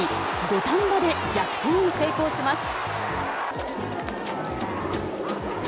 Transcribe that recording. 土壇場で逆転に成功します。